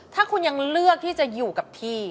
ถ้าคุณยังเลือกที่จะอยู่กับพี่